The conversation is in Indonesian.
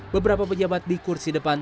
beberapa pejabat di kursi depan